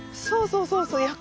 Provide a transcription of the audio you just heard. そうそうそうそう。